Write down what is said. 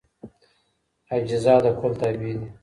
اجزا د کل تابع دي.